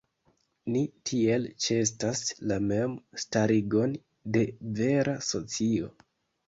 Ni tiel ĉeestas "la mem-starigon de vera socio".